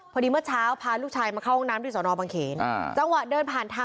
เผอดีเมื่อเช้าพาลูกชายมาเข้าห้องน้ำ